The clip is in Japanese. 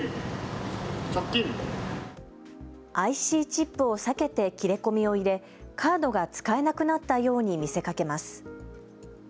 ＩＣチップを避けて切れ込みを入れ、カードが使えなくなったように見せかけます。